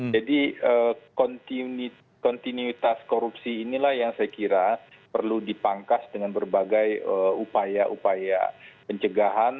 jadi kontinuitas korupsi inilah yang saya kira perlu dipangkas dengan berbagai upaya upaya pencegahan